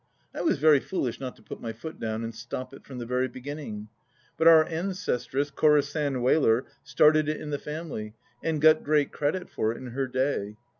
I was very foolish not to put my foot down and stop it from the very beginning. But our ancestress Corisande Wheler started it in the family and got great credit for it in her day.